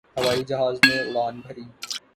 ہوائی جہاز نے اڑان بھری